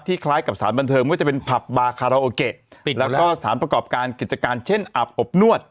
คล้ายกับสารบันเทิงว่าจะเป็นผับบาคาราโอเกะแล้วก็สถานประกอบการกิจการเช่นอาบอบนวด